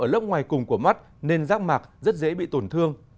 do nằm ở lớp ngoài cùng của mắt nên giác mạc rất dễ bị tổn thương